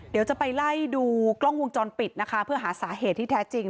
เดี๋ยวจะไปไล่ดูกล้องวงจรปิดนะคะเพื่อหาสาเหตุที่แท้จริง